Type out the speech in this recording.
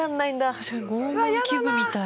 確かに拷問器具みたい。